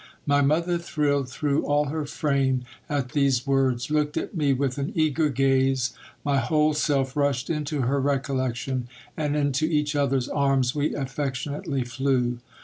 My mother thrilled through all her frame at these words, looked at me with an eager gaze, my whole self rushed into her recollection, and into each other's arms we affectionately flew.